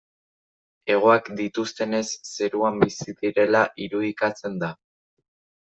Hegoak dituztenez zeruan bizi direla irudikatzen da.